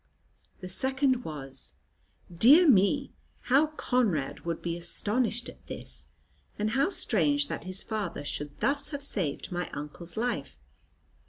The second was, "Dear me, how Conrad would be astonished at this! And how strange that his father should thus have saved my uncle's life!